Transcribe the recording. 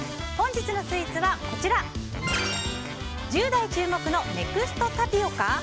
本日のスイーツは１０代注目のネクストタピオカ？